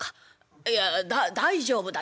いやだ大丈夫だ。